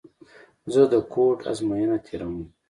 زه د کوډ ازموینه تېره ووم.